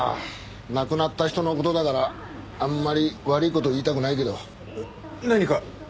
亡くなった人の事だからあんまり悪い事言いたくないけど。何か？